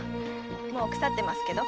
もう腐ってますけど。